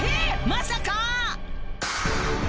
まさか！